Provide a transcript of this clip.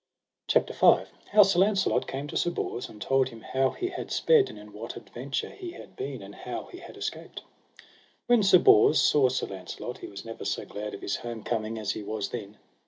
CHAPTER V. How Sir Launcelot came to Sir Bors, and told him how he had sped, and in what adventure he had been, and how he had escaped. When Sir Bors saw Sir Launcelot he was never so glad of his home coming as he was then.